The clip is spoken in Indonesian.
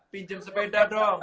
pinjem sepeda dong